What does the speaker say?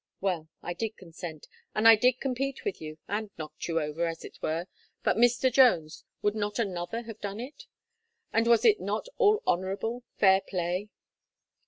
Well, I did consent, and I did compete with you, and knocked you over, as it were, but Mr. Jones, would not another have done it? And was it not all honourable, fair play?"